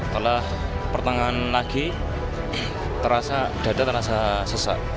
setelah pertengahan lagi dada terasa sesak